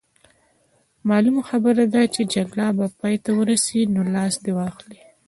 معلومه خبره ده چې جګړه به پای ته ورسي، نو لاس دې واخلي.